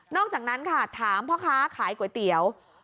อกจากนั้นค่ะถามพ่อค้าขายก๋วยเตี๋ยว